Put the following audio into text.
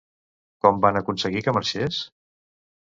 Com van aconseguir que marxés?